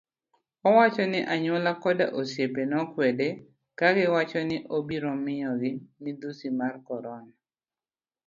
Owacho ni anyuola koda osiepe nokwede kagiwacho ni obiro miyo gi midhusi mar korona.